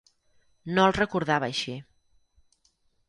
No el recordava així.